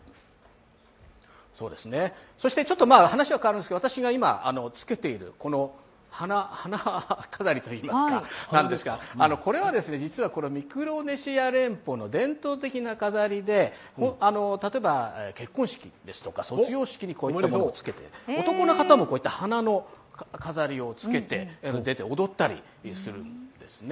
そして話は変わるんですが、私が今つけている花飾りなんですがこれは実はミクロネシア連邦の伝統的な飾りで例えば、結婚式ですとか卒業式にこういったものをつけて、男の方も、こういった花の飾りをつけて出て踊ったりするんですね。